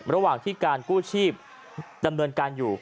ระหว่างที่การกู้ชีพดำเนินการอยู่